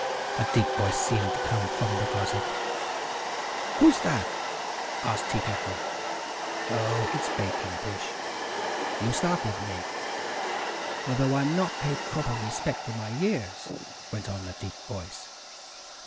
a deep voice seemed to come from the closet. "Who's that?" asked Tea Kettle. "Oh, it's Baking Dish! you startled me!" "Although I'm not paid proper respect for my years " went on the deep voice.